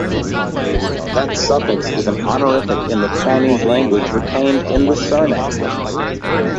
That suffix is an honorific in the Chinese language retained in the surname.